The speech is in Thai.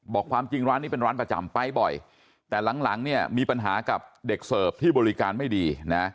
ความจริงร้านนี้เป็นร้านประจำไปบ่อยแต่หลังเนี่ยมีปัญหากับเด็กเสิร์ฟที่บริการไม่ดีนะ